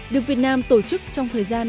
được việt nam tổ chức trong thời gian